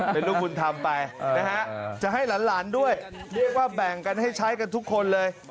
เป็นลูกบุญธรรมไปนะฮะจะให้หลานด้วยเรียกว่าแบ่งกันให้ใช้กันทุกคนเลย